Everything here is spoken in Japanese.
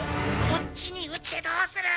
こっちに打ってどうする！